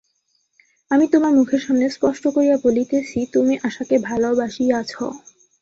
আমি তোমার মুখের সামনে স্পষ্ট করিয়া বলিতেছি, তুমি আশাকে ভালোবাসিয়াছ।